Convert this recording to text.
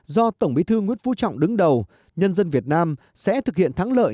do tổng bí thư nguyễn phú trọng đứng đầu nhân dân việt nam sẽ thực hiện thắng lợi